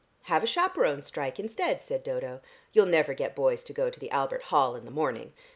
"Have a chaperone strike instead," said Dodo. "You'll never get boys to go to the Albert Hall in the morning.